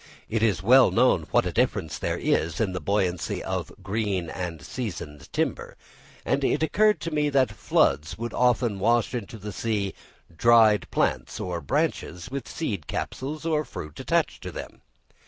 It is well known what a difference there is in the buoyancy of green and seasoned timber; and it occurred to me that floods would often wash into the sea dried plants or branches with seed capsules or fruit attached to them.